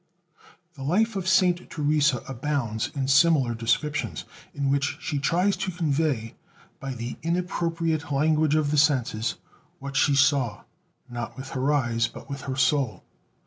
The Life of Saint Teresa abounds in similar descriptions, in which she tries to convey, by the inappropriate language of the senses, what she saw, not with her eyes, but with her soul.